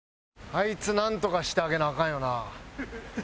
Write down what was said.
あいつなんとかしてあげなアカンよな？